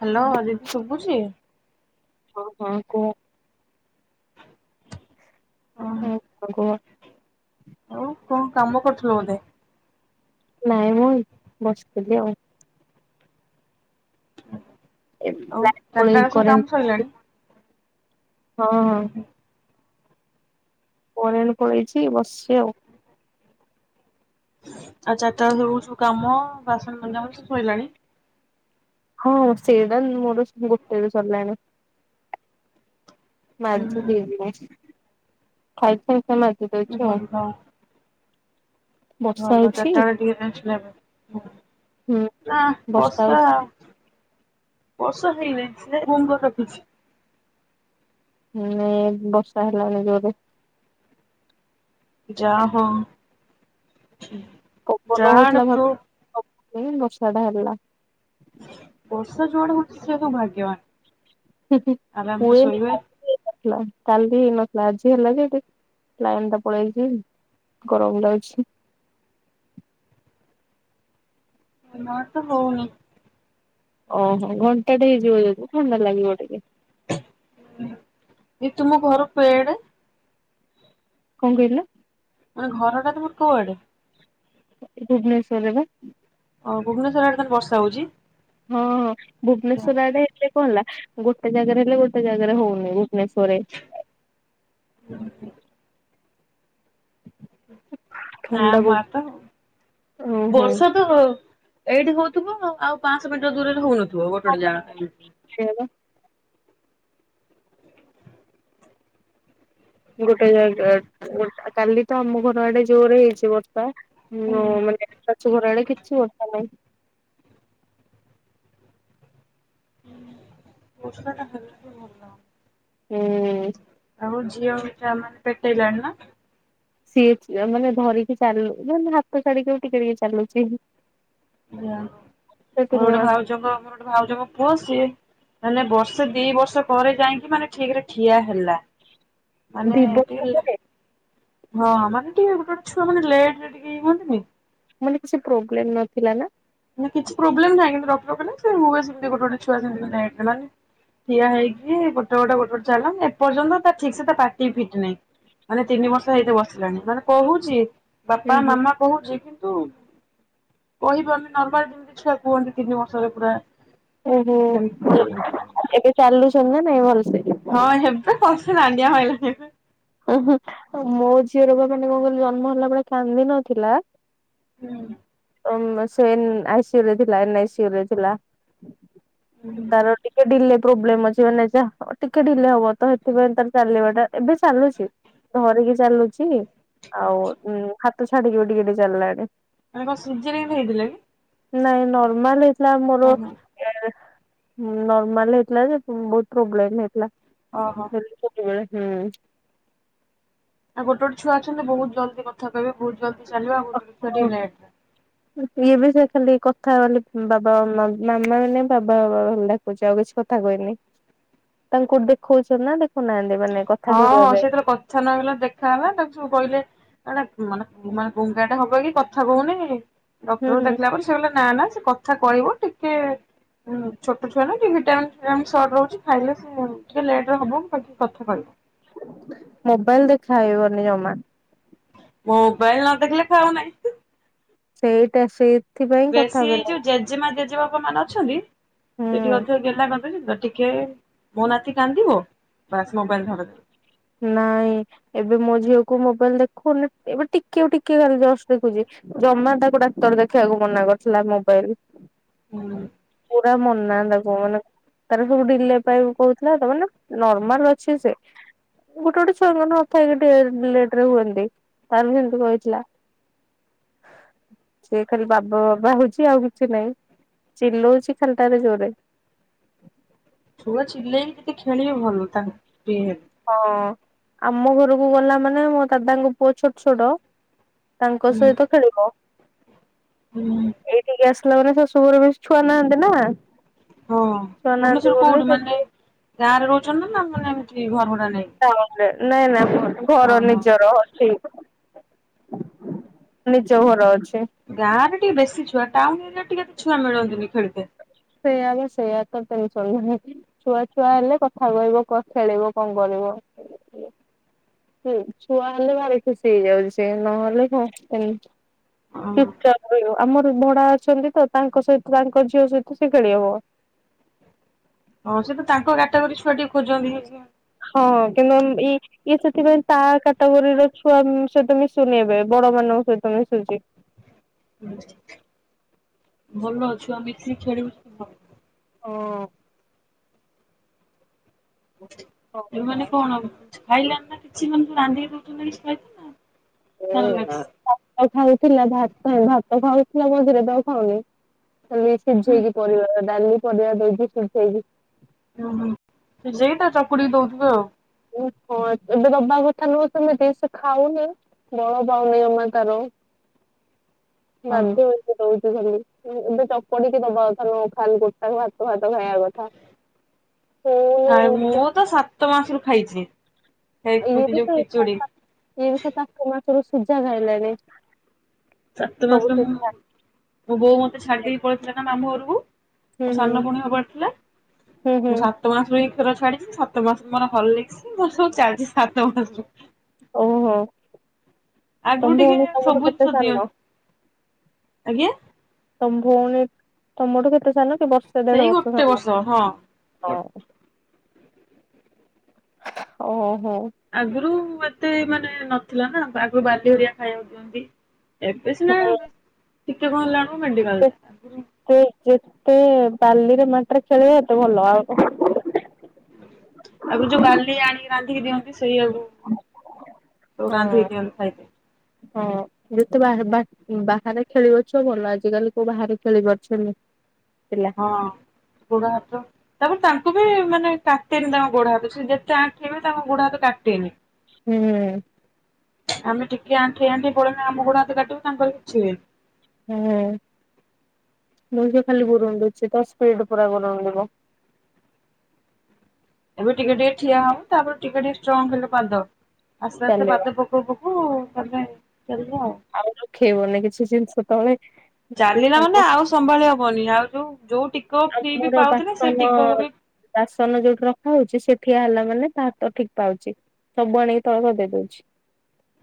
Hello ଦିଦି ଶୁଭୁଚି? ଓ ହଁ କୁହ? ହଁ। କୁହ? ଆଉ କଣ କାମ କରୁଥିଲ ବୋଧେ? ନାଇଁ ମୁଁ ବସିଥିଲି ଆଉ। ଏ ଆଉ ଲାଇନ୍ ଚାରିଟା ପଳେଇ ବେଳେ ସବୁ କାମ କରେଣ୍ଟ। ସରିଲାଣି ହଁ ହଁ। କରେଣ୍ଟ ପଳେଇଛି ବସିଚି ଆଉ। ଆଉ ଚାରିଟା ବେଳକୁ ସବୁ କାମ ବାସନ ମଜା ମଜି ଶଇଲାଣି। ହୋଉ ସେଇଡା ମୋର ଗୋଟେରେ ସରିଲାଣି। ହୁଁ ମାଜିଦେଇଚି ନେଇ ଖାଇ ସ ମାଜିଦଉଚୁ। ଭଲ ଭଲ ଚାରିଟା ବେଳେ ଟିକେ [unintelligible] ହୁଁ ନା ବର୍ଷା ବର୍ଷା ହେଇନାଇଁ ସେ ମୁଙ୍ଗ ରଖିଛି। ନାଇଁ ବର୍ଷା ହେଲାଣି ଜୋରେ। ଯା ହୋଉ। ପବନ ହଉଥିଲା ଭାବ ବର୍ଷା ଟା ହେଲା। ବର୍ଷା ଯୁଆଡା ହଉଛି ସେ ସବୁ ଭାଗ୍ୟବାନ। ଆରାମରେ ହୁଏନି ଶୋଇବେ। [unintelligible] ହେଇ ନଥିଲା କାଲି ହେଇନଥିଲା ଆଜି ହେଲା ଯେ ଏଠି ଲାଇନ୍ ଟା ପଳେଇଚି। ଗରମ ଲାଗୁଛି। ଆମ ଆଡେ ତ ହଉନି। ଓ ହୋ ଘଣ୍ଟାଟେ ହେଇଯିବ ଯଦି ଥଣ୍ଡା ଲାଗିବ ଟିକେ। ଦିଦି ତୁମ ଘର କୁଆଡେ? କଣ କହିଲ? ମାନେ ଘର ଟା ତୁମର କୁଆଡେ? ଭୁବନେଶ୍ୱରରେ ବା। ଓ ଭୁବନେଶ୍ୱର ଆଡେ ତାହେଲେ ବର୍ଷା ହଉଛି? ହଁ- ହଁ ଭୁବନେଶ୍ଵର ଆଡେ ହେଲେ କଣ ହେଲା ଗୋଟେ ଜାଗାରେ ହେଲେ ଗୋଟେ ଜାଗାରେ ହଉନି ଭୁବନେଶ୍ୱରରେ। ହୁଁ ନାଁ ଥଣ୍ଡା ବହୁ [unintelligible] ଓହୋ। ବର୍ଷା ତ ଏଇଠି ହଉଥିବ ଆଉ ପାଞ୍ଚଶହ ମିଟର ଦୂରରେ ହଉନ ସେଇଆ ବା। ଗୋଟେ ଜାଗା କାଲି ତ ଆମ ଘର ଆଡେ ଜୋରେ ହେଇଛି ବର୍ଷା। ହୁଁ ମାନେ [unintelligible] ଘର ଆଡେ କିଛି ବର୍ଷା ନାହିଁ। ବର୍ଷା ଟା ହେଲା ଯେ ଭଲ ଲାଗୁନି। ହୁଁ। ଆଉ ଝିଅ [unintelligible] ମାନେ ପେଟେଇଲାଣି ନା? ସିଏ ମାନେ ଧରିକି ଚାଲୁ, ମାନେ ହାତ ଛାଡ଼ିକି ଟିକେ ଟିକେ ଚାଲୁଛି। ସେଇଆ ସେ ମୋର ତିନି ଗୋଟେ ମାସ ଭାଉଜଙ୍କ ମୋର ଗୋଟେ ଭାଉଜଙ୍କ ପୁଅ ସିଏ ମାନେ ବର୍ଷେ ଦି ବର୍ଷ ପରେ ଯାଇକି ମାନେ ଠିକ୍ ରେ ଠିଆ ହେଲା। ମାନେ ଦି ଟିକେ ବର୍ଷ ଲେ, ପରେ ହଁ ମାନେ ଟିକେ ଗୋଟେ ଗୋଟେ ଛୁଆ ମାନେ ଲେଟ ରେ ଟିକେ ଇଏ ହୁଅନ୍ତିନି। ମାନେ କିଛି ପ୍ରୋବ୍ଲେମ ନଥିଲା ନା? କିଛି ପ୍ରୋବଲେମ୍ ନାହିଁ, କିନ୍ତୁ ଡକ୍ଟର କହିଲେ ହୁଏ ସେମିତି ଗୋଟେ ଗୋଟେ ଛୁଆ ସେମିତି ମାନେ ଚାଲନ୍ତି। ଠିଆ ହେଇକି ଗୋଟେ ଗୋଟେ ଗୋଟେ ଚାଲନ୍ତି, ଏପର୍ଯ୍ୟନ୍ତ ତା ଠିକ୍ ସେ ତା ପାଟି ଫିଟି ନାହିଁ। ମାନେ ତିନି ବର୍ଷ ହେଇତେ ବସିଲାଣି, ମାନେ କହୁଛି ବାପା ହୁଁ ହୁଁ ମାମା କହୁଛି କିନ୍ତୁ କହିପାରୁନେ ନର୍ମାଲ ଯେମିତି ଛୁଆ କୁହନ୍ତି ତିନି ବର୍ଷରେ ପୁରା। ଓ ହୋ ସେମିତି ଏବେ ଚାଲୁଛନ୍ତି ନା ନାଇଁ ଭଲ ସେ? ହଁ ଏବେ [unintelligible] ମୋ ଝିଅର ବା ମାନେ କଣ କହିଲୁ ଜନ୍ମ ହେଲା ପରେ କାନ୍ଦିିନଥିଲା। ହୁଁ। ସେ ଆଇ ସି ୟୁ ରେ ଥିଲା ଏନ୍ ଆଇ ସି ୟୁ ରେ ଥିଲା। ତାର ଟିକେ ଡିଲେ ପ୍ରୋବ୍ଲେମ ଅଛି, ମାନେ ଯ ଟିକେ ଡିଲେ ହବ ତ ସେଥିପାଇଁ ତାର ଚାଲିବା ଟା। ଏବେ ଚାଲୁଛି ଧରିକି ଚାଲୁଛି ଆଉ ହା ତ ଛାଡିକି ବି ଟିକେ ଟିକେ ଚାଲିଲାଣି। ମାନେ କଣ ସିଜେରିୟାନ୍ ହେଇଥିଲା କି? ନାଇଁ ନର୍ମାଲ ହେଇଥିଲା ମୋର। ଓହୋ ନର୍ମଲ ହେଇଥିଲା ଯେ, ପୁଣି ବହୁତ ପ୍ରୋବ୍ଲେମ ହେଇଥିଲା। ଓ ହୋ। ସେମିତି ସବୁବେଳେ ହୁଁ। ଆଉ ଗୋଟ ଗୋଟେ ଛୁଆ ଅଛନ୍ତି ବହୁତ ଜଲଦି କଥା କହିବେ, ବହୁତ ଜଲଦି ଚାଲିବେ, ଗୋଟେ ଗୋଟେ ଛୁଆ ହୁଁ ଲେଟ୍ ରେ। ଇଏ ବି ସେ ଖାଲି କଥା ମାନେ ଉଁ, ବାବା, ମ-ମାମା ମାନେ ବାବା ବାବା ଖାଲି ଡା କୁଛି, ଆଉ କିଛି କଥା କହିନି, ତାଙ୍କ କୋଉଠ ଦେଖଉଛ ନା ଦେଖଉନାହାନ୍ତି ମାନେ କଥା କହିବା ପାଇଁ? ଛେନା ଗଲା ଦେଖା ହେଲା ତାକୁ ସବୁ କହିଲେ ଏଟା ମାନେ ମାନେ ଗୁଙ୍ଗା ହବକି କଥା କହୁନି? ହୁଁ ଡକ୍ଟର୍ ହୁଁ ଦେଖିଲା ପରେ ସେ କହିଲେ ନା ନା ସେ କଥା କହିବ। ଟିକେ ଉଁ, ଛୋଟ ଛୁଆ ନା ଟିକେ ଭିଟାମିନ ଫିଟାମିନ ସଟ୍ ରହୁଛି, ଖାଇଲେ ସେ ଟିକେ ଲେଟ୍ ରେ ହବ। ପା [inaudible] କଥା କହିବ। ମୋବାଇଲ୍ ଦେଖାଇବନି ଜମା। ମୋବାଇଲ୍ ନ ଦେଖିଲେ ଖାଉନାହିଁ। ସେଇଟା ସେଇ ବେଶୀ ଏଇ ଯୋଉ ଜେଜେମା, ଜେଜେବାପା ମାନେ ଅଛନ୍ତି ସେଠି ହୁଁ ଅଧିକ ଗେହ୍ଲା [inaudible] [unintelligible] ଟିକେ ମୋ ନାତି କାନ୍ଦିବ ବାସ୍ ମୋବାଇଲ୍ ଧରେଇଦେବେ। ନାଇଁ ଏବେ ମୋ ଝିଅକୁ ମୋବାଇଲ୍ ଦେଖୁନି, ଏବେ ଟିକେ ଟିକେ ଖାଲି ଜସ୍ ଦେଖୁଚି। ଜମା ତାକୁ ଡାକ୍ତର ଦେଖିବାକୁ ମନା କରିଥିଲା ମୋବାଇଲ୍। ହୁଁ। ପୁରା ମନା ତାକୁ ମାନେ ତାର ସବୁ ଡିଲେ ପାଇଁ କହୁଥିଲା ତ ମାନେ ନର୍ମାଲ୍ ଅଛି ସେ। ଗୋଟେ ଗୋଟେ ଛୁଆଙ୍କର ନଥାଏ କି ଟିକେ ଲେଟ୍ ରେ ହୁଅନ୍ତି, ତାର ବି ସେମତି କହିଥିଲା। ହ [inaudible] ସେ ଖାଲି ବାବ ବାବା ହଉଛି ଆଉ କିଛି ନାହିଁ। ଚିଲଉଛି ଖାଲଟାରେ ଜୋରେ। ଛୁଆ ଚିଲେଇକି ଯେତେ ଖେଳିବେ ଭଲ। ତାଙ୍କ ଫ୍ରି ହେ ହଁ ଆମ ଘରକୁ ଗଲା ମାନେ ମୋ ଦାଦାଙ୍କ ପୁଅ ଛୋଟ ଛୋଟ ତାଙ୍କ ସହିତ ହେବେ। ଖେଳିବ ଏଇଠିକି ଆସ ପିଲାମାନେ ଶାଶୁ ଘର ବେଶୀ ଛୁଆ ନାହାନ୍ତି ନା। ହଁ ଛୁଆ ନାହାନ୍ତି ଭୁବନେଶ୍ୱର ବୋଲି କୋଉଠି ମାନେ ସେଠି ଗାଁ ରେ ରହୁଛନ୍ତି ନା ନା ମାନେ ଏମିତି ଘର ଭଡା ନେଇ? ଟାଉନ୍ ରେ, ନାଇଁ ନାଇଁ ଘର ନିଜର। ଠି, ନିଜ ଘର ଅଛି। ଗାଁରେ ଟିକେ ବେଶୀ ଛୁଆ, ଟାଉନ୍ ଏରିଆରେ ଟିକେ ଛୁଆ ମିଳନ୍ତିନି ଖେଳିତେ। ସେଇଆ ବ ସେଇଆ ଟୋଟାଲି ଚଳିହଉନି। ଛୁଆ ଛୁଆ ହେଲେ କଥା କହିବ କ ଖେଳିବ କଣ କରିବ। ହୁଁ, ଛୁଆ ହେଲେ ଭାରି ଖୁସି ହେଇଯାଉଛି ସିଏ, ନହେଲେ ଖ- ଏମ୍ ଓହୋ ଚୁପ୍ ଚାପ୍ ରହିବ, ଆମର ଭଡା ଅଛନ୍ତି ତ ତାଙ୍କ ସହିତ ତାଙ୍କ ଝିଅ ସହିତ ସେ ଖେଳି ହବ। ହଁ ସେ ତ ତାଙ୍କ କାଟାଗୋରି ଛୁଆ ଟିକେ ଖୋଜନ୍ତି, ଇଏ ସିଏ। ହଁ କିନ୍ତୁ ଆମ ଇ ଇଏ ସେଥିପାଇଁ ତା କାଟାଗୋରି ର ଛୁଆ ସହିତ ମିଶୁନି ଏବେ ବଡ ମାନଙ୍କ ସହିତ ମିଶୁଛି। ଭଲ ଛୁଆ ମିଶିକି ଖେଳିବୁ [inaudible] ଓ, ଏ ମାନେ କଣ, ଖାଇଲାନି ନା କିଛି ମାନଙ୍କୁ ରାନ୍ଧିକି ଦଉଛନ୍ତି ନା କିଛି ଖାଇତେ ନା ଏଇଆ। ସେଲାକ୍ସ। ଆଉ ଖାଉଥିଲା ଭାତ, ଭାତ ଖାଉଥିଲା ମଝିରେ ଏବେ ଆଉ ଖାଉନି। ଖାଲି ସିଝେଇକି ପରିବା, ଡାଲି ପରିବା ଦେଇକି ସିଝେଇକି ଓ ହଁ, ସେ ଯେଇଟା ଚକୁଡିକି ଦଉଥିବେ ଆଉ। [unintelligible] ଏବେ ଦବା କଥା ନୁହଁ ସେମିତି, ସେ ଖାଉନି ବଳ ପାଉନି ଜମା ତାର। [inaudible] ମ [inaudible] ଦୋଉଛି ଧରିକି, ଏବେ ଚକଡିକି ଦବା କଥା ନ ନୁହଁ, ଖାଲିଗୋଟା ଭାତ, ଭାତ ଖାଇବା କଥା। [inaudible] ଫୁଣି ମୁଁ ତ ସାତ ମାସରୁ ଖାଇଛି। ହେଉଥିବ ଯୋଉ ଖିଚୁଡି ଏଇ ବିଷ ତାକୁ [unintelligible] ମାରୁ ସିଝାଖାଇଲାଣିି। ସାତମାସରେ ମୁଁ ମୋବୋଉ ମତେ ଛାଡିଦେଇ ପଳେଇଥିଲା ନା ମାମୁ ଘରକୁ? ହୁଁ ମୋ ହୁଁ ସାନ ଭଉଣୀ ହବାର ଥିଲା। ହୁଁ ହୁଁ ସା ପୁରା ପୁରି କ୍ଷୀର ଛାଡିଛି, ସାତ ମାସରୁ ମୋର ହରଲିକସ୍ ମୋର ସବୁ ଚାଲିଛି ସାତମାସରୁ ଓହୋ ଆଗରୁ ତମେ ଟିକେ ଆମେ ସବୁ ଆମଠୁ ଜିନିଷ ଦିଅ ସାନ। ଆଜ୍ଞା ତମ ଭଉଣୀ, ତମଠୁ କେତେ ସାନ କି ବର୍ଷେ ସେଇ ଦେଢ ବର୍ଷ ଗୋଟେ ସାନ। ହଁ। ହଁ ଓହୋ ଆଗରୁ ଏତେ ମାନେ ନଥିଲା ନା, ଆଗରୁ ବାଲି ହେରିକା ଖାଇବାକୁ ଦିଅନ୍ତି। ଏବେ ସିନା ଟିକେ କଣ ହେଲାରୁ ମେଡିକାଲ ଯିବା। ସେ ଯେତେ ବାଲିରେ ମାଟିରେ ଖେଳିବେ ଏତେ ଭଲ ଆଉ ଆଗରୁ ଯୋଉ ବାଲି ଆଣିକି ରାନ୍ଧିକି ଦିଅନ୍ତି, ସେଇ ଆକୁ ତାକୁ ହଁ ରାନ୍ଧିକି ଦିଅନ୍ତି ଖାଇବାକୁ ହଁ ଯେତେ ବାହାରେ ବାହା ବାହାରେ ଖେଳିିବ ଛୁଆ ସେତେଭଲ, ଆଜିକାଲି କୋଉ ବାହାରେ ଖେଳି ପାରୁଛନ୍ତି। ଥିଲା ହଁ ଗୋଡ଼ ହାତ। ତାପରେ ତାଙ୍କୁ ବି ମାନେ, କାଟେନି ତାଙ୍କ ଗୋଡ ହାତ ସେଯେତେ ଆଣ୍ଠେଇବେ ତାଙ୍କ ଗୋଡ ହାତ କାଟେନି। ହୁଁ ହୁଁ ଆମେ ଟିକେ ଆଣ୍ଠେଇ ଆଣ୍ଠେଇ ପଳେଇଲେ ଆମ ଗୋଡ ହାତ କାଟିବତାଙ୍କର କିଛି ହୁଏନି। ହୁଁ ବ ଖାଲି ଗୁରୁଣ୍ଡଉଛି। ଦପଡ ପୁରା ଗୁରୁଣ୍ଡିବ। ଏବେ ଟିକେଟିକେ ଠିଆହବ। ତାପରେ ଟିକେଟିକେ ଷ୍ଟ୍ରଙ୍ଗହେଲେ ପାଦ, ଆସ୍ତେ ଆସ୍ତେ ଚାଲିବ ପାଦ ପ [unintelligible] ଚାଲିବ ଆଉ। ଆଉ ରଖେଇବନି କିଛି ଜିନିଷ ତଳେ। ଚାଲିଲା ମାନେ ଆମେ ଆଉ ସମ୍ଭାଳିହବନି। ଆଉ ଯୋଉ ଯୋଉ ଟିକ ଫ୍ରି ବି ଆମର ପାଉ ନା ସେ ବାସନ ଟିକକୁ ବି ବାସନ ଯୋଉଠି ରଖା ହଉଛି, ସେଠିଆ ହେଲା ମାନେ ତା ହାତ ଠିକ ପାଉଛି। ସବୁ ଆଣିକି ତଳ ଗଦେଇ ଦଉଛି।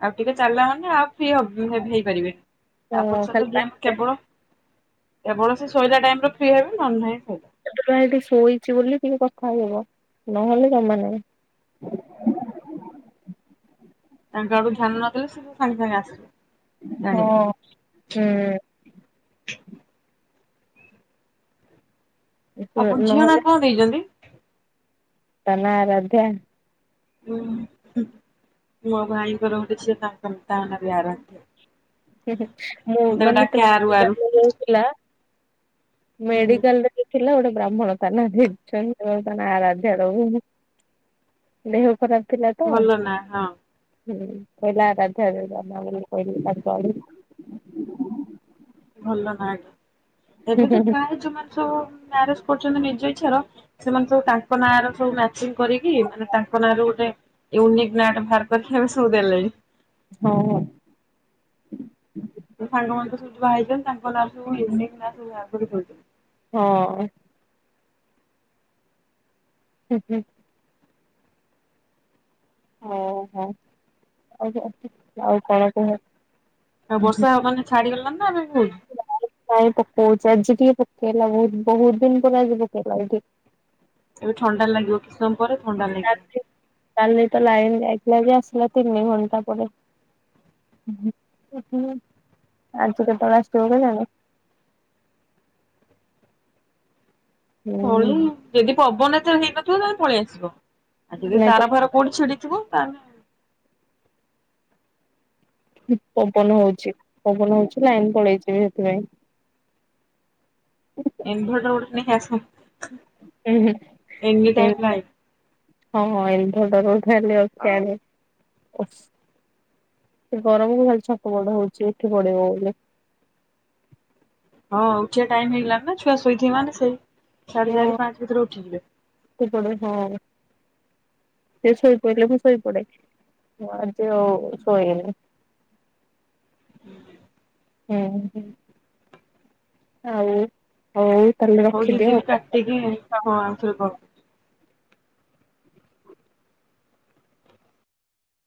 ଆଉ ଟିକେ ଚାଲିଲା ମାନେ ଆଉ ଫ୍ରି ହେବ୍ ହେଇପାରିବେନି। ତାପ ହଁ ଖାଲି ସହିତଦି ଆମେ ପାଟିରେ କେବଳ। କେବଳ ସେ ଶୋଇଲା ଟାଇମରେ ଫ୍ରି ହେବେ ନ ନାଇଁ ଶୋଇ ଟୋକା ଏଠି ଶୋଇଛି ବୋଲି ଟିକେ କଥା ହେହବ ନହେଲେ ଜମା ନାଇ। ତାଙ୍କ ଆଡୁ ଧ୍ୟାନ ନଦଲେ [unintelligible] ସାଙ୍ଗେ ସାଙ୍ଗେ ଆସିବେ। ହଁ ଜାଣିବେ। ହୁଁ ଆପଣ ଝିଅ ନା ନହେଲେ କଣ ଦେଇଛନ୍ତି? ତ ନା ଆରାଧ୍ୟା। ହୁଁ ମୁଁ ଭାଇଙ୍କର ଗୋଟେ ଝିଅ ତା ତା ନାଁ ବି ଆରାଧ୍ୟା। ହୁଁ ହୁଁ ମୁଁ ତାକୁ ମାନେ ଡାକେ ଆରୁ ଆରୁ [unintelligible] ତଥିଲା ହୁଁ ମେଡିକାଲରେ ଦେଖିଲ ଗୋଟେ ବ୍ରାହ୍ମଣ ତାନ ଦେଖଛନ୍ତି ତା ନାଁ ଆରାଧ୍ୟ ଦବୁ। ଦେହ ଖରାପ। ଥିଲା ତ ହୁଁ ଭଲ ନା ହଁ କହିଲା ରାଧା ଦେମା ବୋଲି କହିଲି ତାଞ୍ଚ ଆଡ [unintelligible] ଭଲ ନାଁ ଆଜ୍ଞା ଏବେ ତ ପ୍ରାୟ ଯୋଉମାନେ ସବୁ ମ୍ୟାରେଜ କରୁଛନ୍ତି ନିଜ ଇଚ୍ଛାର ସେମାନେ ସବୁ ତାଙ୍କ ନାଁ ର ସବୁ ମ୍ୟାଚିଂ କରିକି ମାନେ ତାଙ୍କ ନାଁ ର ଗୋଟେ ୟୁନିକ୍ ନାଁ ଟେ ବାହାର କରିକି ଏବେ ସବୁଦେଲେଣି। ହଉ। ମୋ ସାଙ୍ଗ ମାନେ ତ ସବୁ ଯୋଉ ବାହା ହେଇଛନ୍ତି ତାଙ୍କ ନାଁ ସବୁଁ ୟୁନିକ ନାଁ ସବୁ ବାହାର କରିକି କରୁଛନ୍ତି। ହଁ। ହୁଁ ହୁଁ। ଓ ହୋ [unintelligible] ଆଉ କଣ କୁହ। ଆଉ ବର୍ଷା ହ ମାନେ ଛାଡିଗଲାଣି ନା [unintelligible] ହଉଛି। ନାଇଁ ପକଉଛି ଆଜି ଟିକିଏ ପକେଇଲା ବହୁତ ବହୁତ ଦିନ ପରେ ଆଜି ପକେଇଲା ଏ ଟି ଏବେ ଥଣ୍ଡା ଲାଗିବ କିଛି ସମୟ ପରେ ଥଣ୍ଡା ଲା କାଲିତ ଲାଇନି ଯାଇଥିଲା ଯେ ଆସିଲା ତିନି ଘଣ୍ଟା ପରେ। ଆଜି କେତେବେଳେ ଆସିବ କେଜାଣି। ଫଳି ହୁଁ ଯଦି ପବନ ଏଥର ହେଇନଥିବ ତାହେଲେ ପଳେଇ ଆସିବ ଆଉ ଯଦି ନାଇଁ ତ ତାର ଫାର ପୁଣି ଛିଡିଥିବ ତାହେଲେ। ପବନ ହଉଛି ପବନ ହଉଚି ଲାଇନ ପଳେଇଛିିବି ହେଥିପାଇଁ। ଇନ୍ଭୋର୍ଟର ଗୋଟେ ନେଇକି ଆସ। ହୁଁ ହୁଁ ଏନି ଇନ ଟାଇମ୍ ଲାଇଟ୍ ହଁ ହଁ ଇନଭୋର୍ଟର ଗୋଟେ ଖାଲି ଦରକାରେ। ଏ ଗରମକୁ ଭାରି ଛଟ ପଟ ହଉଛି ଏଠି ଗଡିବ ବୋଲି। ହଁ ଉଠିଆ ଟାଇମ୍ ହେଇଗଲାଣି ନା ଛୁଆ ଶୋଇଥିବେ ମାନେ ଶୋଇ ସାଢେ ଚାରି ପାଞ୍ଚ ଭିତରେ ଉଠିଯିବେ। ଶୋଇପଡ ହଁ। ସେ ଶୋଇପଡ଼ିଲେ ମୁଁ ଶୋଇପଡେ ମୁଁ ଆଜି ଆଉ ଶୋଇନି। ହୁଁ [inaudible] ହୁଁ ହୁ। ଆଉ। ହଉ ତାହେଲେ ହଉ ଦି ରଖିଦିଅ। ଦିନ କାଟିକି ହଁ ଆଉଥରେ କର।